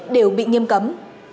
đều bị nghiêm cấm